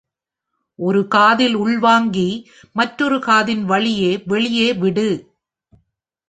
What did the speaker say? ஒரு காதில் உள்வாங்கி மற்றொரு காதின் வழியே வெளியே விடு.